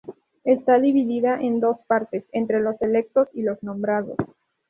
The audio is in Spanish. Está dividida en dos partes, entre los electos y los nombrados.